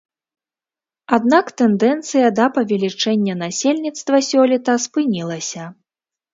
Аднак тэндэнцыя да павелічэння насельніцтва сёлета спынілася.